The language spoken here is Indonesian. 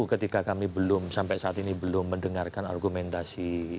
ketika kami belum sampai saat ini belum mendengarkan argumentasi